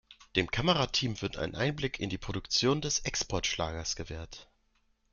Dem Kamerateam wird ein Einblick in die Produktion des Exportschlagers gewährt.